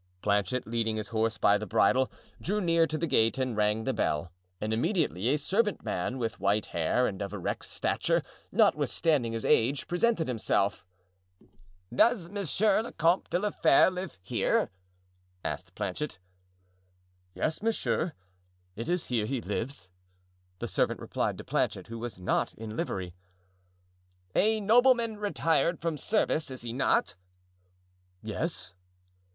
Planchet, leading his horse by the bridle, drew near to the gate and rang the bell, and immediately a servant man with white hair and of erect stature, notwithstanding his age, presented himself. "Does Monsieur le Comte de la Fere live here?" asked Planchet. "Yes, monsieur, it is here he lives," the servant replied to Planchet, who was not in livery. "A nobleman retired from service, is he not?" "Yes."